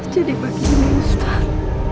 jadi begini ustaz